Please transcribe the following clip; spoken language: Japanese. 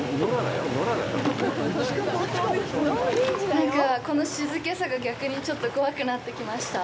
なんか、この静けさが逆にちょっと怖くなってきました。